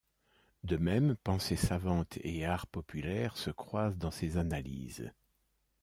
De même pensée savante et art populaire se croisent dans ses analyses.